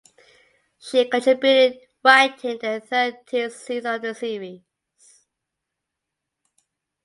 She contributed writing to the thirteenth season of the series.